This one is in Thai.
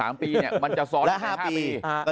มันจะซ้อน๕ปี